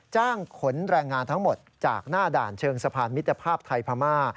ขนแรงงานทั้งหมดจากหน้าด่านเชิงสะพานมิตรภาพไทยพม่า